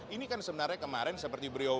ini kan sebenarnya kemarin seperti beri obat